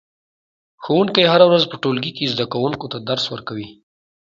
ښوونکی هره ورځ په ټولګي کې زده کوونکو ته درس ورکوي